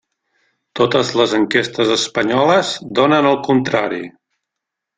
Totes les enquestes espanyoles donen el contrari.